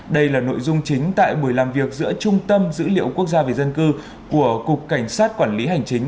đây là nội dung chính tại buổi làm việc giữa trung tâm dữ liệu quốc gia về dân cư của cục cảnh sát quản lý hành chính